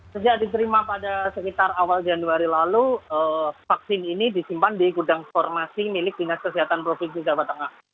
sejak diterima pada sekitar awal januari lalu vaksin ini disimpan di gudang formasi milik dinas kesehatan provinsi jawa tengah